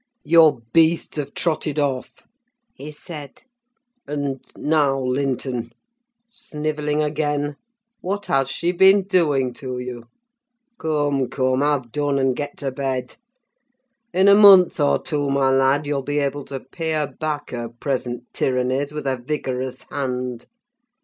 "Your beasts have trotted off," he said, "and—now Linton! snivelling again? What has she been doing to you? Come, come—have done, and get to bed. In a month or two, my lad, you'll be able to pay her back her present tyrannies with a vigorous hand.